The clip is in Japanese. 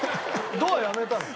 ドアやめたの？